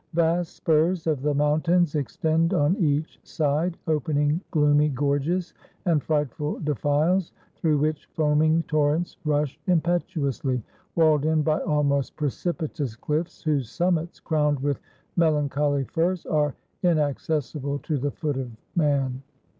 Vast spurs of the mountains extend on each side, opening gloomy gorges and frightful defiles, through which foaming torrents rush impetuously, walled in by almost precipitous cHffs, whose summits, crowned with melancholy firs, are inac cessible to the foot of man.